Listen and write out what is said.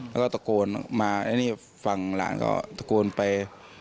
แล้วก็ตะโกนมาไอ้นี่ฝั่งหลานก็ตะโกนไป